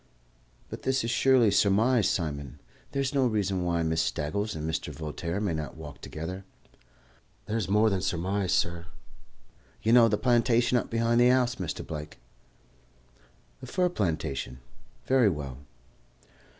"But this is purely surmise, Simon. There is no reason why Miss Staggles and Mr. Voltaire may not walk together." "There's more than surmise, sur. You know the plantation up behind the house, Mr. Blake?" "The fir plantation? Very well."